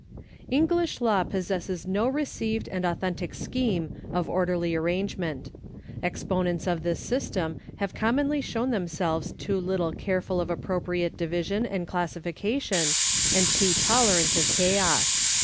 English law possesses no received and authentic scheme of orderly arrangement. Exponents of this system have commonly shown them selves too little careful of appropriate division and classification, and too tolerant of chaos.